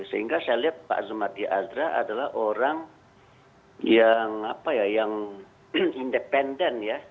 sehingga saya lihat pak azumati azra adalah orang yang independen ya